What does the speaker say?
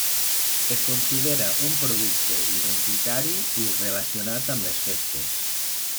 Es considera un producte identitari i relacionat amb les festes.